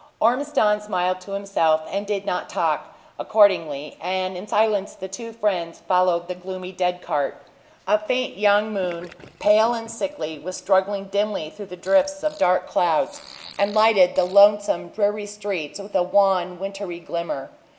Ormiston smiled to himself, and did not talk, accordingly; and in silence the two friends followed the gloomy dead cart. A faint young moon, pale and sickly, was struggling dimly through drifts of dark clouds, and lighted the lonesome, dreary streets with a wan, watery glimmer.